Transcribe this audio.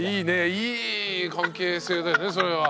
いい関係性だよねそれは。